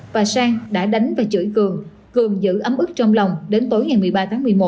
và sang đã đánh và chửi cường cường giữ ấm ức trong lòng đến tối ngày một mươi ba tháng một mươi một